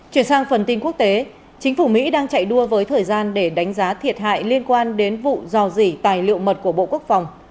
chuyển sang phần tin quốc tế chính phủ mỹ đang chạy đua với thời gian để đánh giá thiệt hại liên quan đến vụ dò dỉ tài liệu mật của bộ quốc phòng